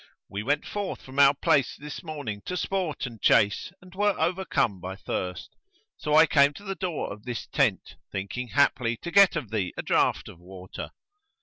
We went forth from our place this morning to sport and chase and were overcome by thirst; so I came to the door of this tent, thinking haply to get of thee a draught of water."